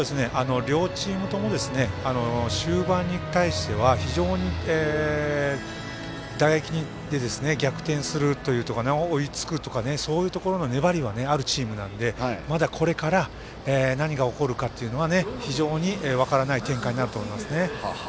両チームとも終盤に対しては打撃で逆転するとか、追いつくとかそういうところの粘りはあるチームなんで、まだこれから何が起こるかというのは非常に分からない展開になると思います。